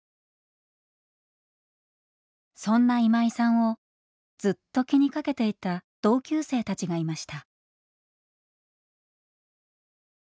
そんな今井さんをずっと気にかけていた同級生たちがいました。